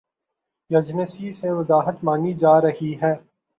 Agency سے وضاحت مانگی جا رہی ہے۔